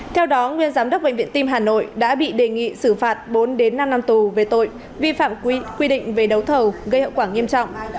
theo đó nguyên giám đốc bệnh viện tim hà nội đã bị đề nghị xử phạt bốn đến năm năm tù về tội vi phạm quy định về đấu thầu gây hậu quả nghiêm trọng